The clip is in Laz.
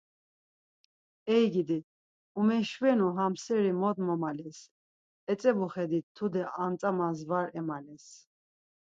Ey gidi, umeşvenu ham seri mot momales, etzebuxedit tude ant̆amas var emales.